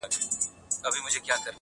مار هغه دم وو پر پښه باندي چیچلى؛